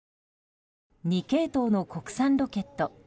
２系統の国産ロケット。